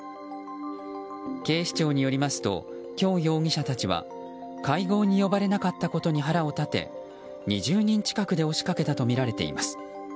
警視庁によりますとキョウ容疑者たちは会合に呼ばれなかったことに腹を立て２０人近くで押しかけたとみられています。